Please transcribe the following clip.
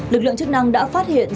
lực lượng chức năng đã phát hiện